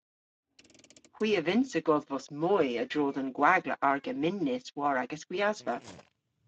Hwi a vynnsa godhvos moy a-dro dhe'n gwagla argemmynys war agas gwiasva.